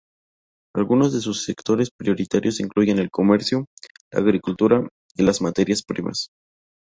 Algunos de sus sectores prioritarios incluyen el comercio, la agricultura y las materias primas.